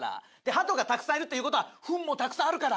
ハトがたくさんいるっていう事はフンもたくさんあるから。